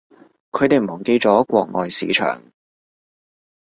佢哋忘記咗國外市場